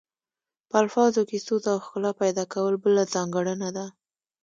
په الفاظو کې سوز او ښکلا پیدا کول بله ځانګړنه ده